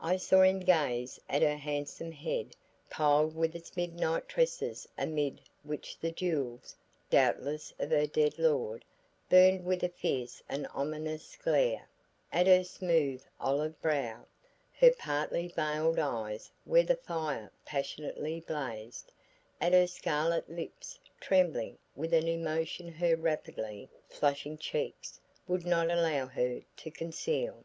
I saw him gaze at her handsome head piled with its midnight tresses amid which the jewels, doubtless of her dead lord, burned with a fierce and ominous glare, at her smooth olive brow, her partly veiled eyes where the fire passionately blazed, at her scarlet lips trembling with an emotion her rapidly flushing cheeks would not allow her to conceal.